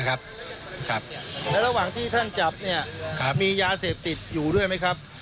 แล้วระหว่างที่ท่านจับเนี่ยมียาเสพติดอยู่ด้วยไหมครับ